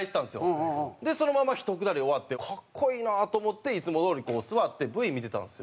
そのままひとくだり終わってかっこいいなと思っていつもどおり座ってＶ見てたんですよ。